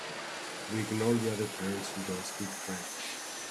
We ignore the other parents who don’t speak French.